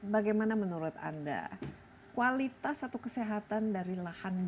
bagaimana menurut anda kualitas atau kesehatan dari lahan ini